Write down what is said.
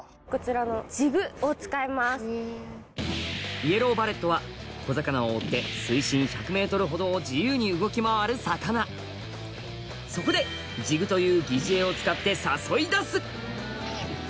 イエローバレットは小魚を追って水深１００ｍほどを自由に動き回る魚そこでを使って誘い出す